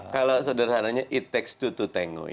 kalau sederhananya it takes two to tany